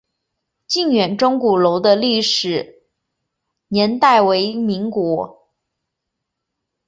靖远钟鼓楼的历史年代为民国。